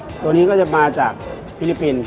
ตัวนี้ก็จะมาจากฟิลิปปินส์